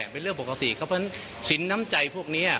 เป็นเรื่องปกติเขาบอกว่าสินน้ำใจพวกเนี่ย